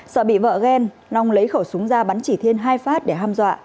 sợ bị vỡ ghen long lấy khẩu súng ra bắn chỉ thiên hai phát để ham dọa